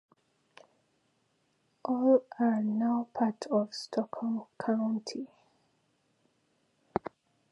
All are now part of Stockholm County.